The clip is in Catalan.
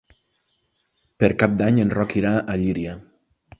Per Cap d'Any en Roc irà a Llíria.